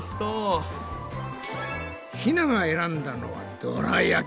ひなが選んだのはどら焼き。